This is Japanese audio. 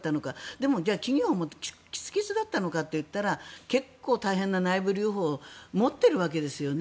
でも、企業もキツキツだったのかといったら結構大変な内部留保を持っているわけですよね。